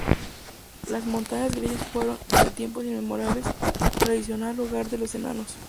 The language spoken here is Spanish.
Las Montañas Grises fueron, desde tiempos inmemoriales, tradicional hogar de los Enanos.